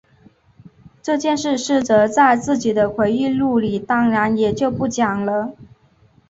这件事师哲在自己的回忆录里当然也就不讲了。